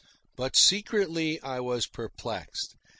But secretly I was perplexed.